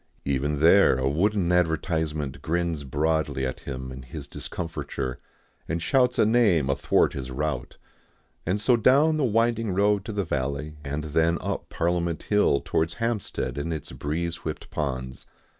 Even there a wooden advertisement grins broadly at him in his discomfiture, and shouts a name athwart his route. And so down the winding road to the valley, and then up Parliament Hill towards Hampstead and its breeze whipped ponds.